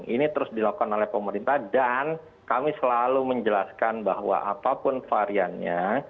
ini terus dilakukan oleh pemerintah dan kami selalu menjelaskan bahwa apapun variannya